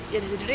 jangan duduk yuk